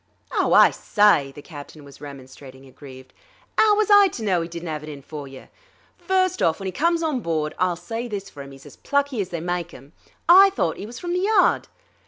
"Ow, I sye!" the captain was remonstrating, aggrieved. "'Ow was I to know 'e didn't 'ave it in for you? First off, when 'e comes on board (I'll sye this for 'im, 'e's as plucky as they myke 'em), I thought 'e was from the Yard.